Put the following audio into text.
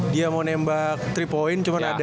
dia mau nembak tiga point cuma ada